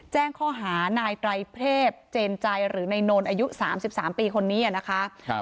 แจ้งข้อหานายไตรเทพเจนใจหรือนายนนอายุ๓๓ปีคนนี้นะคะ